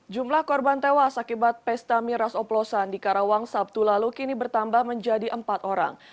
jumlah korban tewas akibat pesta miras oplosan di karawang sabtu lalu kini bertambah menjadi empat orang